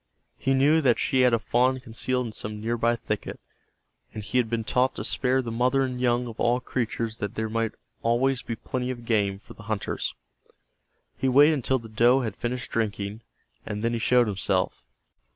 He knew that she had a fawn concealed in some nearby thicket, and he had been taught to spare the mother and young of all creatures that there might always be plenty of game for the hunters. He waited until the doe had finished drinking, and then he showed himself.